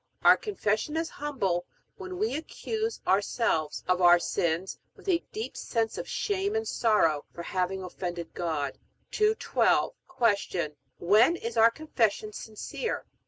Our Confession is humble, when we accuse our selves of our sins, with a deep sense of shame and sorrow for having offended God. 212. Q. When is our Confession sincere?